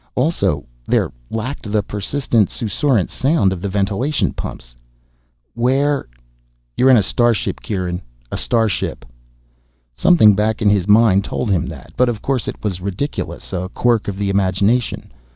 Also, there lacked the persistent susurrant sound of the ventilation pumps. Where You're in a ship, Kieran. A starship. Something back in his mind told him that. But of course it was ridiculous, a quirk of the imagination.